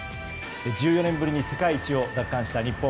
１４年ぶりに世界一を奪還した日本。